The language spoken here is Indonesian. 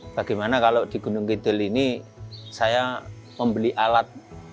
bagaimana kalau di gunung kidul ini saya membeli alat